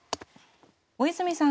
尾泉さん